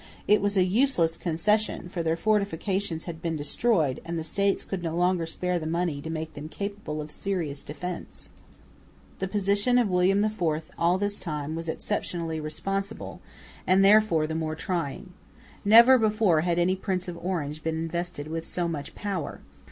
It was a useless concession, for their fortifications had been destroyed, and the States could no longer spare the money to make them capable of serious defence. The position of William IV all this time was exceptionally responsible, and therefore the more trying. Never before had any Prince of Orange been invested with so much power.